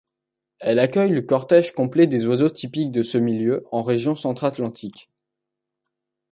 Elles accueillent le cortège complet des oiseaux typiques de ce milieu en région centre-atlantique.